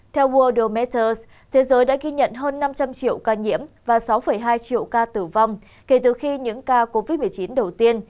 theo world matters thế giới đã ghi nhận hơn năm trăm linh triệu ca nhiễm và sáu hai triệu ca tử vong kể từ khi những ca covid một mươi chín đầu tiên